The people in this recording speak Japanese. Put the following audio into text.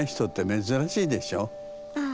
ああ。